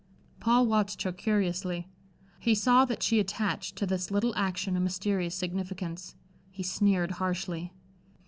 Paul watched her curiously. He saw that she attached to this little action a mysterious significance. He sneered harshly.